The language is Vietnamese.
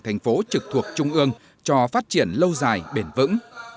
thành phố trực thuộc trung ương cho phát triển lâu dài bền vững